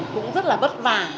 cũng rất là bất vả